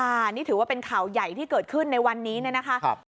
อันนี้ถือว่าเป็นข่าวใหญ่ที่เกิดขึ้นในวันนี้เนี่ยนะคะ